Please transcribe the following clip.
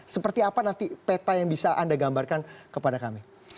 seperti apa nanti peta yang bisa anda gambarkan kepada kami